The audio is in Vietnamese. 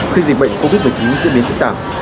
khi dịch bệnh covid một mươi chín diễn biến phức tạp